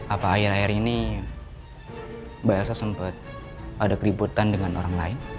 apa akhir akhir ini mbak elsa sempat ada keributan dengan orang lain